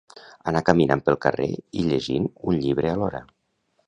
Anar caminant pel carrer i llegint un llibre alhora